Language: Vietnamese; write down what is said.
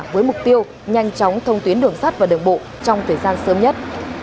với mục tiêu nhanh chóng thông tuyến đường sắt và đường bộ trong thời gian sớm nhất